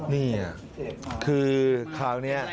นี่คือคราวนี้